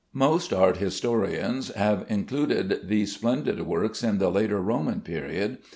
Most art historians have included these splendid works in the later Roman period.